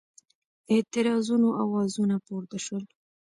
اعتراضونو آوازونه پورته شول.